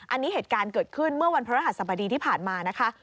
อันนี้เหตุการณ์เกิดขึ้นเมื่อวันพระรหัสบดีที่ผ่านมานะคะ